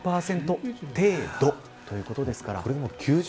９０％程度ということですから。